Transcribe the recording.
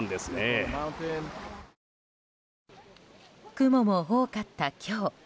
雲も多かった今日。